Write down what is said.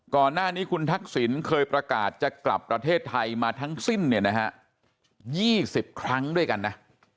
ก่อนหน้านี้คุณทักษิณเคยประกาศจะกลับประเทศไทยมาทั้งสิ้นเนี่ยนะฮะ๒๐ครั้งด้วยกันนะ